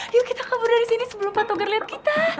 ayo kita kabur dari sini sebelum patogar liat kita